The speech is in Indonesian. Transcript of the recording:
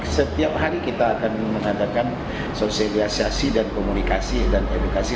setiap hari kita akan mengadakan sosialisasi dan komunikasi dan edukasi